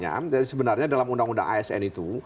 artinya sebenarnya dalam undang undang asn itu